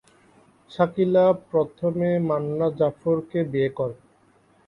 শাকিলা প্রথমে মান্না জাফরকে বিয়ে করেন।